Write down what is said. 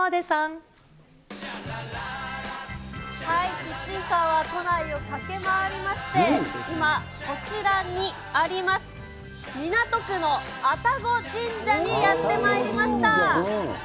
キッチンカーは、都内を駆け回りまして、今、こちらにあります、港区の愛宕神社にやってまいりました。